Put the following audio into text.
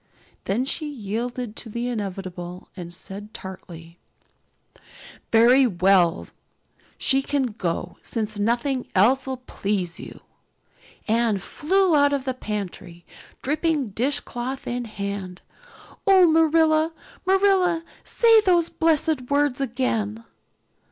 Then she yielded to the inevitable and said tartly: "Very well, she can go, since nothing else 'll please you." Anne flew out of the pantry, dripping dishcloth in hand. "Oh, Marilla, Marilla, say those blessed words again."